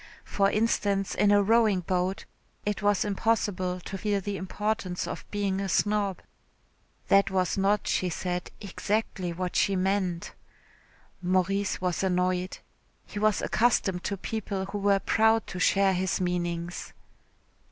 For instance, in a rowing boat, it was impossible to feel the importance of being a snob. That was not, she said, exactly what she meant.... Maurice was annoyed. He was accustomed to people who were proud to share his meanings.